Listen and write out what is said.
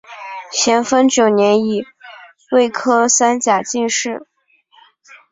咸丰九年己未科三甲进士。